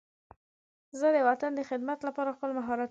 زه د وطن د خدمت لپاره خپل مهارتونه کاروم.